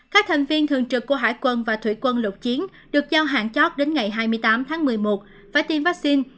các thành viên thường trực của hải quân và thủy quân lục chiến được giao hạn chót đến ngày hai mươi tám tháng một mươi một phải tiêm vaccine